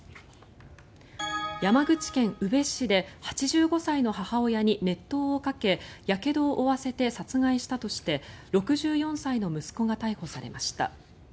山口県宇部市で８５歳の母親に熱湯をかけやけどを負わせて殺害したとして６４歳の息子が逮捕されました。